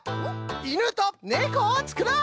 「いぬとねこをつくろう！」。